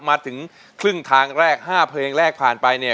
มาถึงครึ่งทางแรก๕เพลงแรกผ่านไปเนี่ย